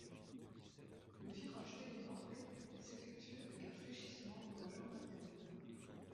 Le virage télémark s'effectue avec un fléchissement de la jambe intérieure.